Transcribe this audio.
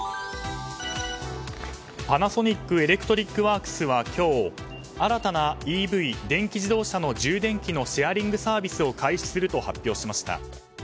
パナソニックエレクトリックワークスは今日、新たなＥＶ・電気自動車の充電器のシェアリングサービスを開始すると発表しました。